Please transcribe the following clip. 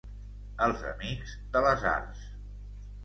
Els amics de les arts.